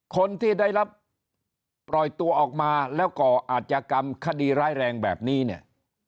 คนที่ได้รับปล่อยตัวออกมาแล้วก่ออาจกรรมคดีร้ายแรงแบบนี้เนี่ย